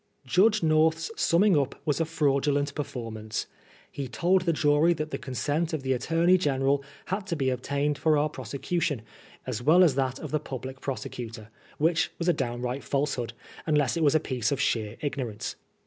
Judge North's summing up was a fraudulent per formance. He told the jury that the consent of the Attorney General had to be obtained for our prosecu tion, as well as that of the Public Prosecutor, which was a downright falsehood, unless it was a piece of sheer ignorance.